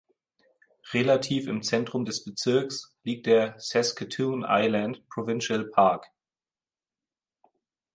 Relativ im Zentrum des Bezirks liegt der Saskatoon Island Provincial Park.